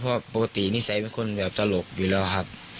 เพราะปกตินิสัยเป็นคนแบบตลกอยู่แล้วครับ